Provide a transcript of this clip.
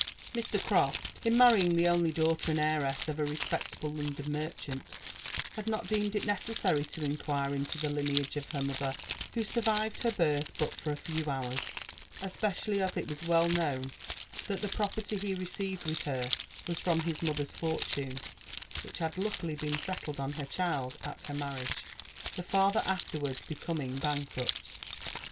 Mr. Croft, in marrying the only daughter and heiress of a respectable London merchant, had not deemed it necessary to inquire into the lineage ot her mother, who survived her birth but a few hours ; espe cially as it was well known that the property he received with her was from this mother's fortune, which had luckily been settled on her child at her marriage, the father afterwards becoming bankrupt.